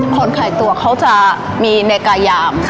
คนไข่ตัวมันจะมีหนักรายาม